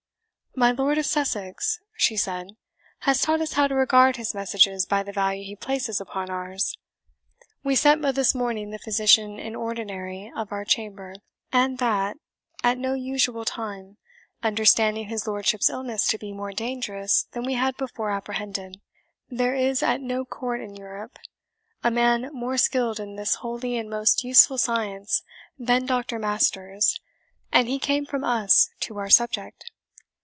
"My Lord of Sussex," she said, "has taught us how to regard his messages by the value he places upon ours. We sent but this morning the physician in ordinary of our chamber, and that at no usual time, understanding his lordship's illness to be more dangerous than we had before apprehended. There is at no court in Europe a man more skilled in this holy and most useful science than Doctor Masters, and he came from Us to our subject.